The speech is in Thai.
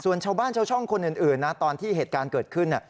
ส่วนชาวบ้านชาวช่องคนอื่นนะตอนที่เหตุการณ์เกิดขึ้น